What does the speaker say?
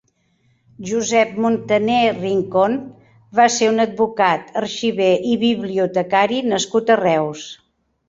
Josep Montaner Rincon va ser un advocat, arxiver i bibliotecari nascut a Reus.